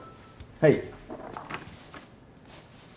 はい。